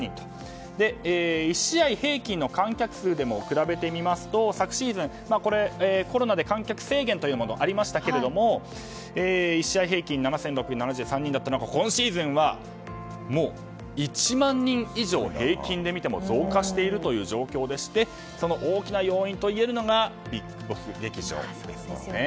１試合平均の観客数でも比べてみますと昨シーズン、コロナで観客制限というものがありましたが１試合平均７６７３人だったのが今シーズンは１万人以上平均で見ても増加しているという状況でしてその大きな要因と言えるのがＢＩＧＢＯＳＳ劇場ですね。